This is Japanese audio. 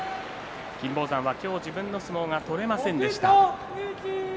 金峰山は自分の相撲が今日、取れませんでした。